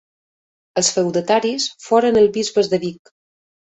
Els feudataris foren els bisbes de Vic.